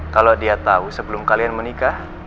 kalau dia tahu sebelum kalian menikah